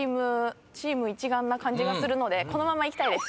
チーム一丸な感じがするのでこのままいきたいです。